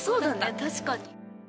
確かに。